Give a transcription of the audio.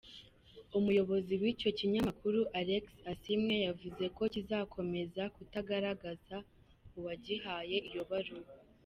Umuyobozi w’icyo kinyamakuru Alex Asiimwe yavuze ko kizakomeza kutagaragaza uwagihaye iyo baruwa.